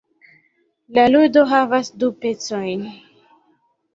La ludo havas du pecojn.